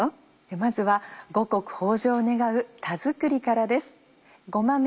まずは五穀豊穣を願う田作りからです。